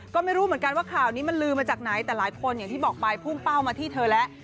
ก็ไม่รู้เหมือนกันว่าข่าวนี้มันลืมมาจากไหนแต่หลายคนอย่างที่บอกไปพุ่งเป้ามาที่เธอแล้ว